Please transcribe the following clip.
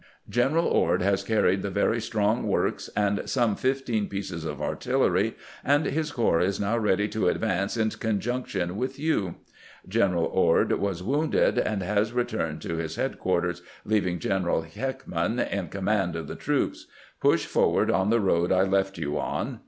:" Gen eral Ord has carried the very strong works and some fifteen pieces of artillery, and his corps is now ready to advance in conjunction with you. General Ord was wounded, and has returned to his headquarters, leaving General Heckman in command of the corps. Push for ward on the road I left you on."